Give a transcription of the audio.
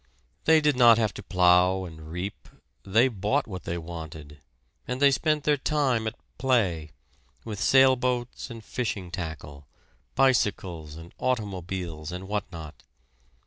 They did not have to plow and reap they bought what they wanted; and they spent their time at play with sailboats and fishing tackle, bicycles and automobiles, and what not.